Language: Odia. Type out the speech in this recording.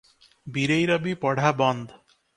ବୀରେଇର ବି ପଢ଼ା ବନ୍ଦ ।